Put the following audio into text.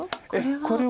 これは。